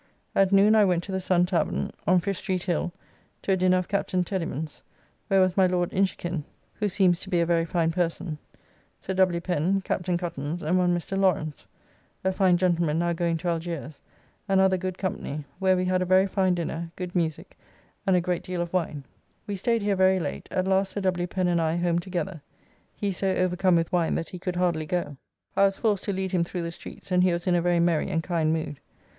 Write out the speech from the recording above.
At noon I went to the Sun tavern; on Fish Street hill, to a dinner of Captn. Teddimans, where was my Lord Inchiquin (who seems to be a very fine person), Sir W. Pen, Captn. Cuttance, and one Mr. Lawrence (a fine gentleman now going to Algiers), and other good company, where we had a very fine dinner, good musique, and a great deal of wine. We staid here very late, at last Sir W. Pen and I home together, he so overcome with wine that he could hardly go; I was forced to lead him through the streets and he was in a very merry and kind mood.